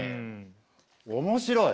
面白い！